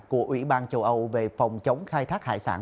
của ủy ban châu âu về phòng chống khai thác hải sản